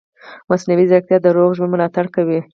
مصنوعي ځیرکتیا د روغ ژوند ملاتړ کوي.